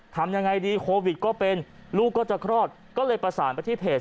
ทำยังไงดีโควิดก็เป็นลูกก็จะคลอดก็เลยประสานไปที่เพจ